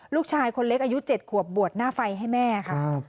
ลูกชายคนเล็กอายุ๗ขวบบวชหน้าไฟให้แม่ค่ะ